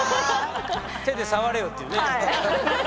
「手で触れよ」っていうね。